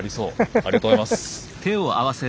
ありがとうございます。